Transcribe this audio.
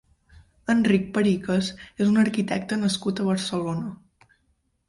Enric Pericas és un arquitecte nascut a Barcelona.